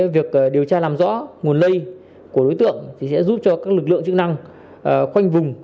việc điều tra làm rõ nguồn lây của đối tượng sẽ giúp cho các lực lượng chức năng khoanh vùng